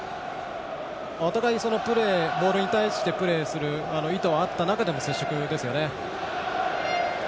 お互いに、ボールに対してプレーする意図はあった中での接触ですよね。